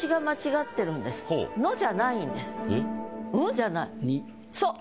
「ん？」じゃない。